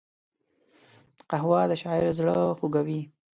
قهوه د شاعر زړه خوږوي